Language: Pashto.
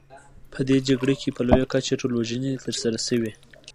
په دې جګړه کې په لویه کچه ټولوژنې ترسره شوې.